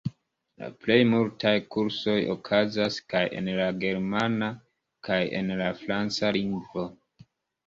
La plej multaj kursoj okazas kaj en la germana kaj en la franca lingvo.